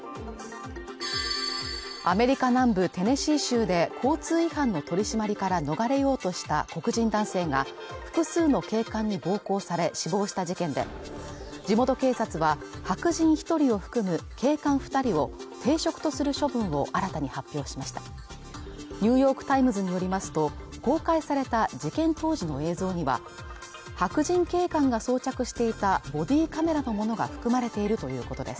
アメリカ南部テネシー州で交通違反の取り締まりから逃れようとした黒人男性が複数の警官に暴行され死亡した事件で地元警察は白人一人を含む警官二人を停職とする処分を新たに発表しました「ニューヨーク・タイムズ」によりますと公開された事件当時の映像には白人警官が装着していたボディーカメラのものが含まれているということです